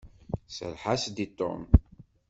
Serreḥ-as-d i Tom.